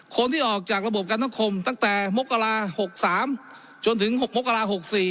คนที่ออกจากระบบการสังคมตั้งแต่มกรา๖๓จนถึง๖มกรา๖๔